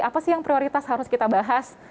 apa sih yang prioritas harus kita bahas